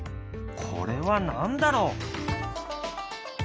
これは何だろう？